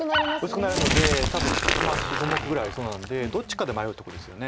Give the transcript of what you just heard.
薄くなるので多分４５目ぐらいありそうなんでどっちかで迷うとこですよね。